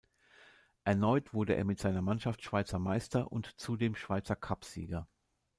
Erneut wurde er mit seiner Mannschaft Schweizer Meister und zudem Schweizer Cupsieger.